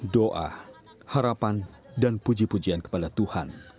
doa harapan dan puji pujian kepada tuhan